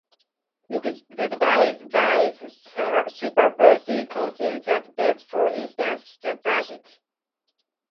It is advised by the Supervisory Council that vets for instance the budget.